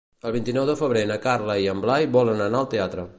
El vint-i-nou de febrer na Carla i en Blai volen anar al teatre.